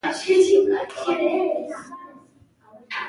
یووختي نګهت وم داغزو په سر